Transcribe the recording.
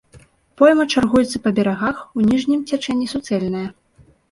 Пойма чаргуецца па берагах, у ніжнім цячэнні суцэльная.